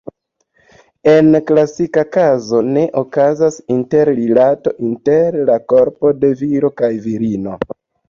En klasika kazo ne okazas interrilato inter la korpo de viro kaj virino.